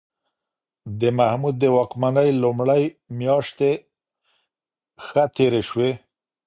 د محمود د واکمنۍ لومړۍ میاشتې ښه تېرې شوې.